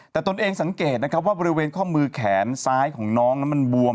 แต่ตนเองสังเกตนะครับว่าบริเวณข้อมือแขนซ้ายของน้องนั้นมันบวม